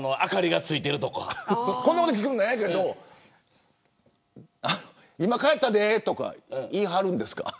こんなこと聞くのもなんやけど今、帰ったでとか言いはるんですか。